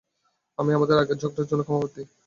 আমি আমাদের আগের ঝগড়ার জন্য ক্ষমাপ্রার্থী।